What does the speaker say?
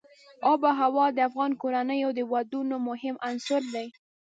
آب وهوا د افغان کورنیو د دودونو مهم عنصر دی.